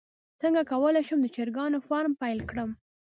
څنګه کولی شم د چرګانو فارم پیل کړم